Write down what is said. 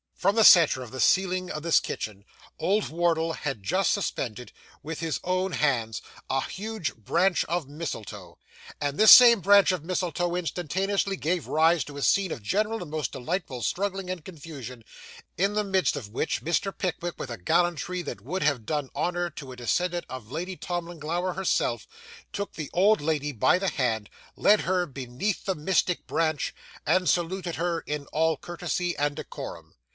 From the centre of the ceiling of this kitchen, old Wardle had just suspended, with his own hands, a huge branch of mistletoe, and this same branch of mistletoe instantaneously gave rise to a scene of general and most delightful struggling and confusion; in the midst of which, Mr. Pickwick, with a gallantry that would have done honour to a descendant of Lady Tollimglower herself, took the old lady by the hand, led her beneath the mystic branch, and saluted her in all courtesy and decorum.